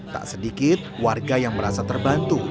tak sedikit warga yang merasa terbantu